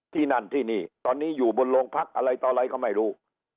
ที่นั่นที่นี่ตอนนี้อยู่บนโรงพักอะไรต่ออะไรก็ไม่รู้